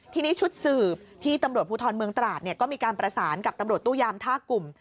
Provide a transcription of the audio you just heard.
ทีนี้ชุดสืบที่ตำรวจภูทรเมืองตราดก็มีการประสานกับตำรวจตู้ยามท่ากลุ่ม